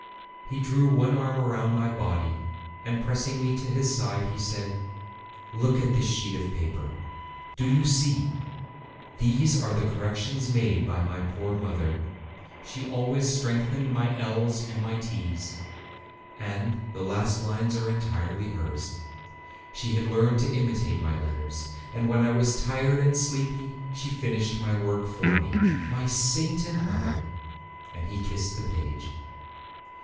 He drew one arm around my body, and pressing me to his side, he said : "Look at this sheet of paper. Do you see? These are the corrections made by my poor mother. She always strengthened my I's and my 's. MY FATHER'S TEACHER 225 And the last lines are entirely hers. She had learned to imitate my letters ; and when I was tired and sleepy, she finished my work for me. My sainted mother!" And he kissed the page.